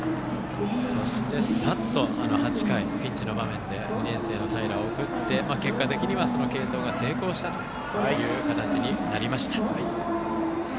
そして８回、ピンチの場面で２年生の平を送って結果的にその継投が成功した形になりました。